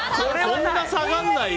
そんな下がんないよ。